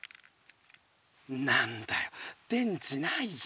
何だよ電池ないじゃん。